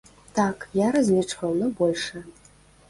Так, я разлічваў на большае.